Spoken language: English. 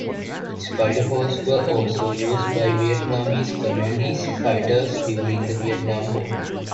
Spider holes were also used by Vietnamese Communist fighters during the Vietnam War.